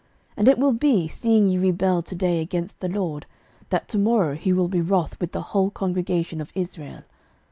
and it will be, seeing ye rebel to day against the LORD, that to morrow he will be wroth with the whole congregation of Israel.